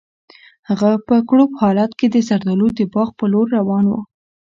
هغه په کړوپ حالت کې د زردالو د باغ په لور روان و.